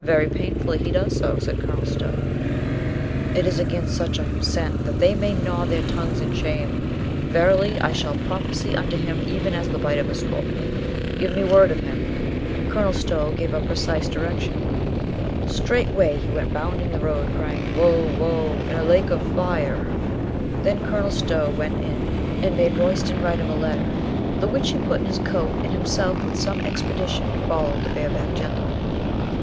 "Very painfully he does so," said Colonel Stow. "It is against such I am sent, that they may gnaw their tongues in shame. Verily, I shall prophesy unto him even as the bite of a scorpion. Give me word of him." Colonel Stow gave a precise direc tion. Straightway he went bounding the road, cry ing: "Woe, woe, and a lake of fire!" Then Colonel Stow went in and made Royston CONCERNING THE ANGEL URIEL 79 write him a letter, the which he put in his coat, and himself with some expedition followed the bare backed gentleman.